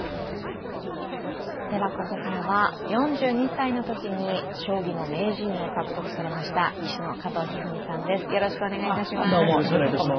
ここからは４２歳のときに将棋の名人を獲得されました棋士の加藤一二三さんです。